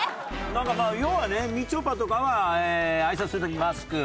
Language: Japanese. なんかまあ要はねみちょぱとかは「挨拶する時にマスク」